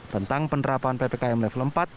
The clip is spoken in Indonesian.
tentang penerapan ppkm level empat